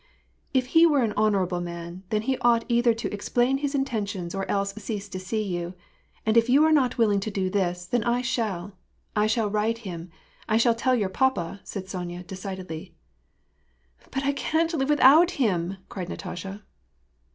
" If he were an honorable man, then he ought either to ex plain his intentions, or else cease to see vou ; and if you are not willing to do this, then I shall. I shall write him, I shall tell your papa," said Sonya, decidedly. " But I cannot live without him," cried Natasha.